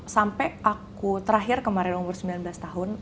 sampai aku terakhir kemarin umur sembilan belas tahun